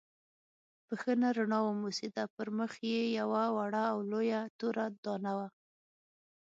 بښنه رڼا وموسېده، پر مخ یې یوه وړه او لویه توره دانه وه.